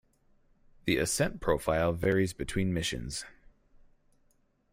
The ascent profile varies between missions.